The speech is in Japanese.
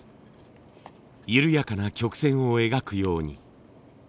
緩やかな曲線を描くように。